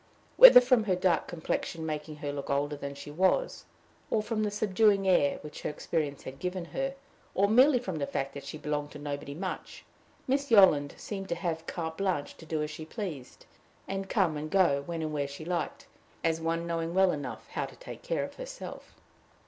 Whether from her dark complexion making her look older than she was, or from the subduing air which her experience had given her, or merely from the fact that she belonged to nobody much, Miss Yolland seemed to have carte blanche to do as she pleased, and come and go when and where she liked, as one knowing well enough how to take care of herself.